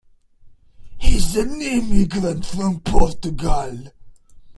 He's an immigrant from Portugal.